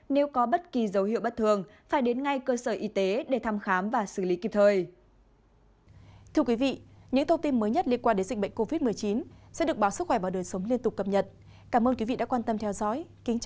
nếu có bất kỳ dấu hiệu bất thường phải đến ngay cơ sở y tế để thăm khám và xử lý kịp thời